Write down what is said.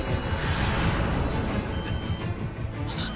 あっ。